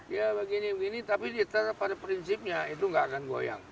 ya begini begini tapi pada prinsipnya itu nggak akan goyang